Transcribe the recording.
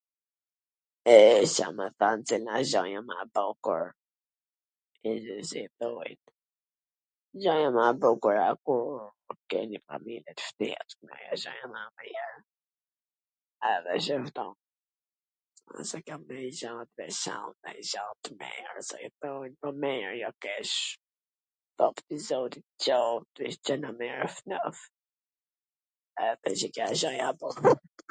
e Ca me than cila a gjaja ma e bukur ... gjaja ma e bukur a kur ke njw familje t shnetshme, e qw jena mir, ... jetoj mir, jo keq, ....